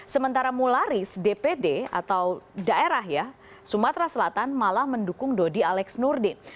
sementara mularis dpd atau daerah ya sumatera selatan malah mendukung dodi alex nurdin